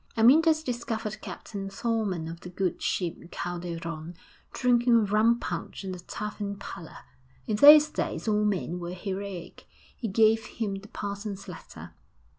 VII Amyntas discovered Captain Thorman of the good ship Calderon drinking rum punch in a tavern parlour. In those days all men were heroic.... He gave him the parson's letter.